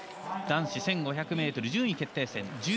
男子１５００ｍ順位決定戦。